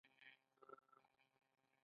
آیا ایران د ریل پټلۍ لویه شبکه نلري؟